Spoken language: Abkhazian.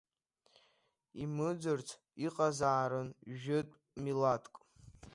Имыӡырц иҟазаарын жәытә милаҭк.